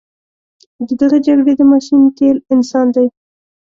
د دغه جګړې د ماشین تیل انسان دی.